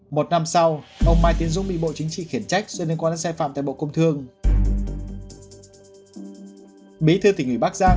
một năm sau ông mai tiến dũng bị bộ chính trị khiển trách do liên quan đến sai phạm tại bộ công thương